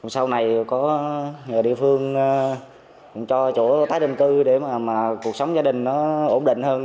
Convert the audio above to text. sau này có địa phương cho chỗ tái định cư để mà cuộc sống gia đình nó ổn định hơn